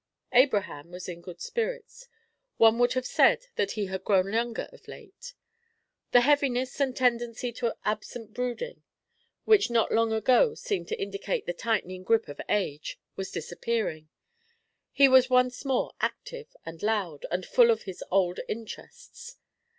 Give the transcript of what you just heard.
Abraham was in good spirits. One would have said that he had grown younger of late. That heaviness and tendency to absent brooding which not long ago seemed to indicate the tightening grip of age, was disappearing; he was once more active and loud and full of his old interests.